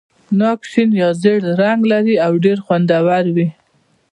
ناک شین یا ژېړ رنګ لري او ډېر خوندور وي.